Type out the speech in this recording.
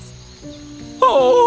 dan mereka akhirnya bebas